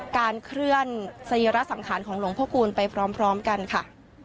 การเคลื่อนสรีระสังขารของหลวงพระคูณไปพร้อมกันค่ะ